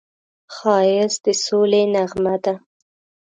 ښایست د سولې نغمه ده